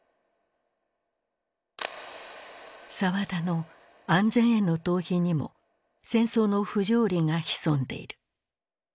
沢田の「安全への逃避」にも戦争の不条理が潜んでいる。